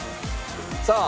さあ。